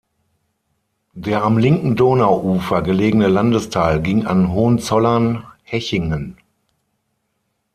Der am linken Donauufer gelegene Landesteil ging an Hohenzollern-Hechingen.